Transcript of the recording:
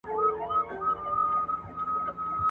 یو څو ورځي په کلا کي ورته تم سو ..